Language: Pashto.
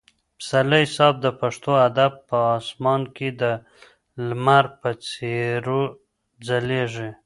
پسرلي صاحب د پښتو ادب په اسمان کې د لمر په څېر ځلېږي.